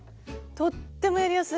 とってもやりやすい。